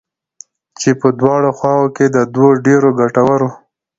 چې په دواړو خواوو كې د دوو ډېرو گټورو